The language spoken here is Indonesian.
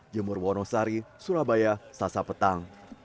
jemur wonosari surabaya sasa petang